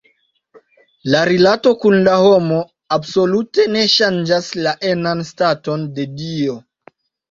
La rilato kun la homo absolute ne ŝanĝas la enan staton de Dio.